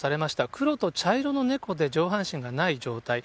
黒と茶色の猫で、上半身がない状態。